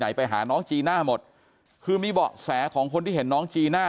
ไปหาน้องจีน่าหมดคือมีเบาะแสของคนที่เห็นน้องจีน่า